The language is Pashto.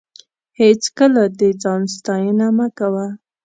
هېڅکله د ځان ستاینه مه کوه.